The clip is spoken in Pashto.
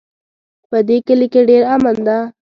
په دې کلي کې ډېر امن ده